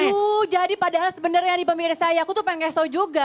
aduh jadi padahal sebenarnya di pemirsa ya aku tuh pengen kasih tau juga